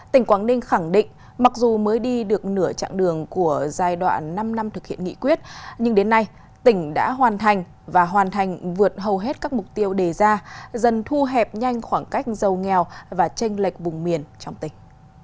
tỉnh quảng ninh khẳng định mặc dù mới đi được nửa chặng đường của giai đoạn năm năm thực hiện nghị quyết nhưng đến nay tỉnh đã hoàn thành và hoàn thành vượt hầu hết các mục tiêu đề ra dần thu hẹp nhanh khoảng cách giàu nghèo và tranh lệch vùng miền trong tỉnh